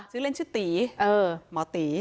ชื่อเล่นชื่อตีหมอตี